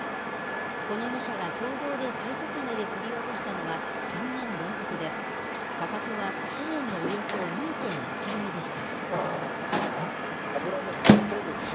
この２社が共同で最高値で競り落としたのは３年連続で、価格は去年のおよそ２．１倍でした。